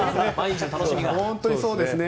本当にそうですね。